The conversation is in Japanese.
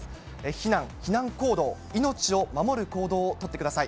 避難、避難行動、命を守る行動を取ってください。